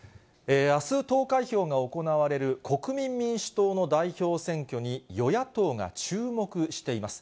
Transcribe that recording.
あす投開票が行われる国民民主党の代表選挙に、与野党が注目しています。